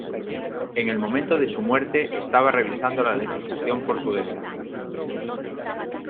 En el momento de su muerte estaba revisando la legislación portuguesa.